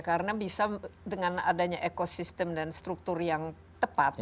karena bisa dengan adanya ekosistem dan struktur yang tepat